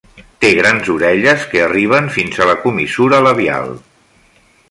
Té grans orelles que arriben fins a la comissura labial.